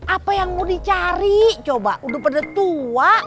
apa yang mau dicari coba udah pada tua